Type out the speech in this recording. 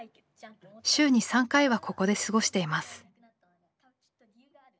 週に３回はここで過ごしています。